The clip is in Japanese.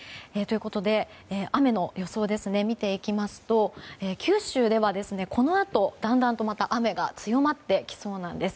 雨の予想を見ていきますと九州ではこのあと、だんだんとまた雨が強まってきそうなんです。